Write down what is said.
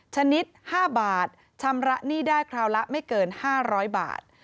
ชนิด๕บาทชำระหนี้ได้คราวละไม่เกิน๕๐๐บาท